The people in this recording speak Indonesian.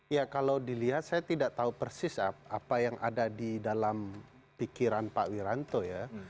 ya kalau dilihat saya tidak tahu persis apa yang ada di dalam pikiran pak wiranto ya